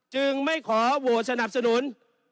จึงไม่ขอโหวตสนับสนุน